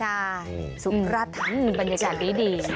สุราธานีบรรยากาศดี